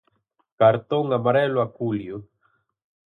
Cartón amarelo a Culio.